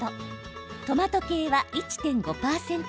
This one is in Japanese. トマト系は１．５％